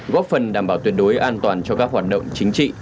góp phần đảm bảo tuyệt đối an toàn cho các hoạt động chính trị